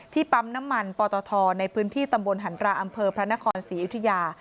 ปั๊มน้ำมันปตทในพื้นที่ตำบลหันราอำเภอพระนครศรีอยุธยา